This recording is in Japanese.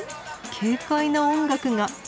軽快な音楽が。